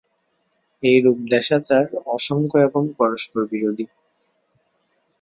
এইরূপ দেশাচার অসংখ্য এবং পরস্পরবিরোধী।